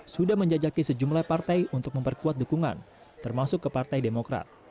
sudah menjajaki sejumlah partai untuk memperkuat dukungan termasuk ke partai demokrat